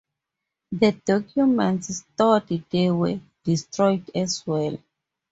The documents stored there were destroyed as well.